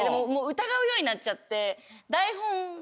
疑うようになっちゃって。